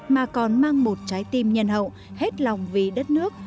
mà còn mang một trái tim nhân hậu hết lòng vì đất nước